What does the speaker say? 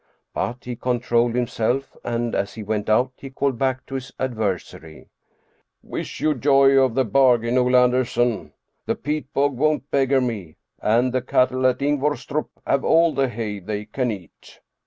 But he controlled himself and as he went out he called back to his adversary, " Wish you joy of the bar gain, Ole Anderson. The peat bog won't beggar me, and the cattle at Ingvorstrup have all the hay they can eat."